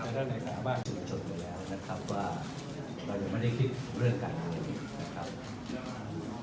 ท่านนายสามารถสูญชนอยู่แล้วนะครับว่าเราจะไม่ได้คิดเรื่องการเงินนะครับ